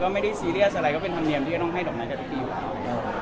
ไม่ได้ซีเรียสอะไรก็เป็นธรรมเนียมที่ต้องให้ดอกหนักกับปีป่าว